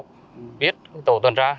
không biết tổ tuần tra